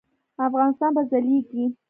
افغانستان به ځلیږي